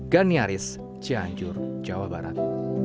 ganiaris cianjur jawa barat